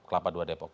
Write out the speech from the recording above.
kelapa dua depok